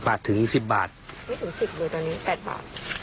บาทถึง๑๐บาทไม่ถึง๑๐เลยตอนนี้๘บาท